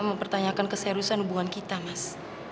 mempertanyakan keseriusan hubungan kita mas